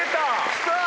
きた！